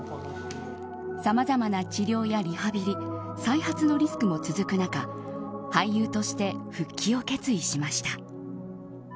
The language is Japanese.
さまざまな治療やリハビリ再発のリスクも続く中俳優として復帰を決意しました。